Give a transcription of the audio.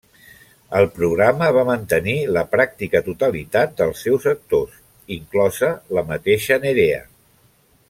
El programa va mantenir la pràctica totalitat dels seus actors, inclosa la mateixa Nerea.